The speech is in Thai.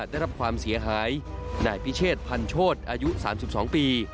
ได้รับความเสียหายนายพิเชษพันโชธอายุ๓๒ปี